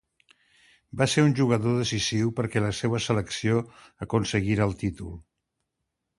Va ser un jugador decisiu perquè la seua selecció aconseguira el títol.